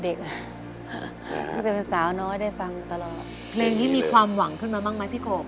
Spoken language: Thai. ตั้งแต่เป็นสาวน้อยได้ฟังตลอดครับจริงอยู่เลยคลิกนี้มีความหวังขึ้นมาบ้างไหมพี่กบ